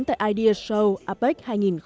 tại idea show apec hai nghìn một mươi bảy